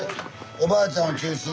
おばあちゃんを中心に。